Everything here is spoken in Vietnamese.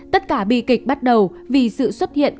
tất cả bi kịch bắt đầu vì sự xuất hiện